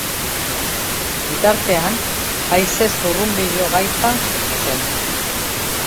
Bitartean, haize zurrunbilo gaitza sortu zen.